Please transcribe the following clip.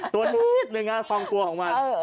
ตัวนิดหนึ่งฮะทองกลัวออกมา